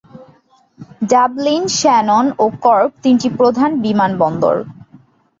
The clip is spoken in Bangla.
ডাবলিন, শ্যানন ও কর্ক তিনটি প্রধান বিমানবন্দর।